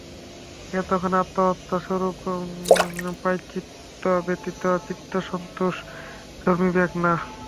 এক্ষণে আত্মহত্যারূপ প্রায়শ্চিত্ত ব্যতীত চিত্তসন্তোষ জন্মিবেক না।